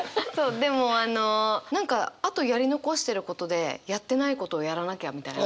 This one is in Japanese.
でもあの何かあとやり残してることでやってないことをやらなきゃみたいな。